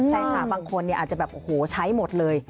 ใช่ค่ะบางคนเนี่ยอาจจะแบบโหใช้หมดเลย